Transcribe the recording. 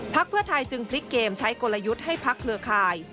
เพื่อไทยจึงพลิกเกมใช้กลยุทธ์ให้พักเครือข่าย